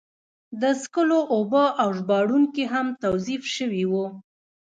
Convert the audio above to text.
د څښلو اوبه او ژباړونکي هم توظیف شوي وو.